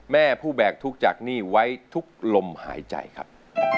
แม่ผู้แบกทุกข์จากหนี้ไว้ทุกลมหายใจครับ